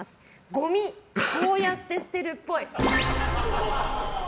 ごみ、こうやって捨てるっぽい。